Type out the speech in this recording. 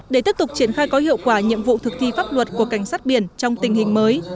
để tiếp tục triển khai có hiệu quả nhiệm vụ thực thi pháp luật của cảnh sát biển trong tình hình mới